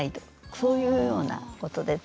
そういうようなことで。